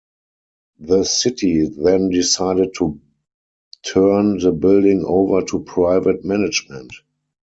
The city then decided to turn the building over to private management.